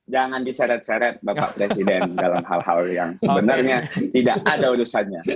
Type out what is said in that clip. jangan diseret seret bapak presiden dalam hal hal yang sebenarnya tidak ada urusannya